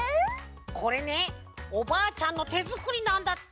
これねおばあちゃんのてづくりなんだって！